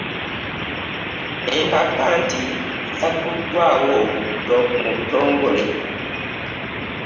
Empaka anti zagguddwaawo mu butongole.